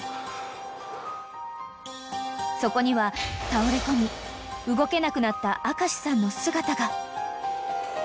［そこには倒れ込み動けなくなった明さんの姿が］